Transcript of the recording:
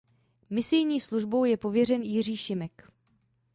Misijní službou je pověřen Jiří Šimek.